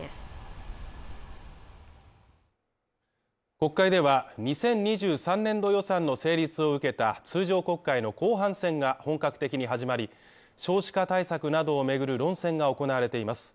国会では、２０２３年度予算の成立を受けた通常国会の後半戦が本格的に始まり、少子化対策などを巡る論戦が行われています。